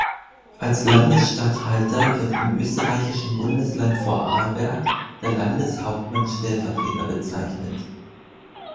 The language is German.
Als Landesstatthalter wird im österreichischen Bundesland Vorarlberg der Landeshauptmannstellvertreter bezeichnet.